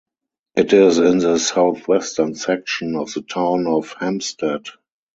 It is in the southwestern section of the Town of Hempstead.